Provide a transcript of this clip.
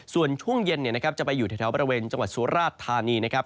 ส่วนช่วงเย็นจะไปอยู่แถวบริเวณจังหวัดสุราชธานีนะครับ